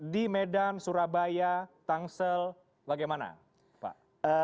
di medan surabaya tangsel bagaimana pak